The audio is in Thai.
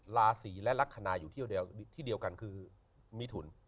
ราศีและลักษณะอยู่ที่เดียวกันคือมิถุน